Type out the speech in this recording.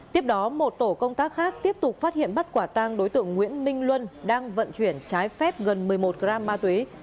tiếp đó một tổ công tác khác tiếp tục phát hiện bắt quả tang đối tượng nguyễn minh luân đang vận chuyển trái phép gần một mươi một gram ma túy